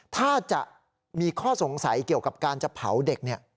ถ้าจะมีข้อสงสัยเกี่ยวกับการจะเผาเด็กเนี่ย